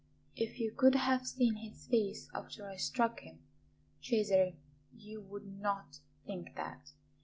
"If you could have seen his face after I struck him, Cesare, you would not think that.